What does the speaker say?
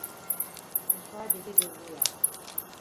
Bu sadece bir rüya.